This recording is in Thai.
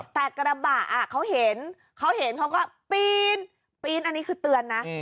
แต่กระบะเขาเห็นเขาก็ปี๊นอันนี้คือเตือนนะ